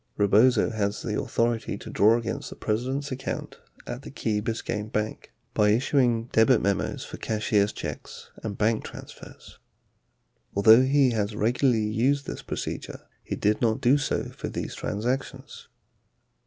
Rebozo has the authority to draw against the President's account at the Key Biscayne Bank by issuing debit memos for cashiers' checks and bank transfers. Although he has regularly used this procedure, he did not do so for these transactions.